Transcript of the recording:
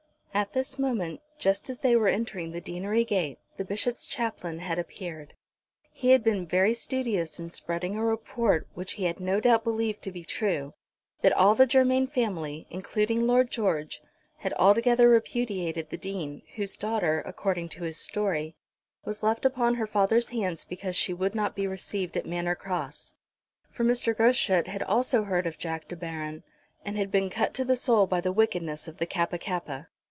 At this moment, just as they were entering the deanery gate, the Bishop's chaplain had appeared. He had been very studious in spreading a report, which he had no doubt believed to be true, that all the Germain family, including Lord George, had altogether repudiated the Dean, whose daughter, according to his story, was left upon her father's hands because she would not be received at Manor Cross. For Mr. Groschut had also heard of Jack De Baron, and had been cut to the soul by the wickedness of the Kappa kappa.